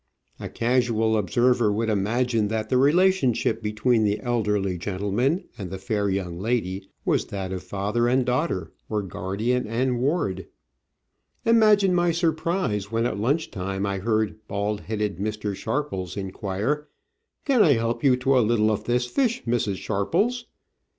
A casual observer would imagine that the relationship between the elderly gentleman and the fair young Digitized by VjOOQIC 4 Travels and Adventures lady was that of father and daughter, or guardian and ward. Imagine my surprise when at lunch time I heard bald headed Mr. Sharpies inquire, Can I help you to a little of this fish, Mrs. Sharpies